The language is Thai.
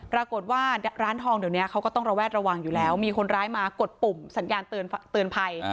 ปรากฏว่าร้านทองเดี๋ยวนี้เขาก็ต้องระแวดระวังอยู่แล้วมีคนร้ายมากดปุ่มสัญญาณเตือนภัย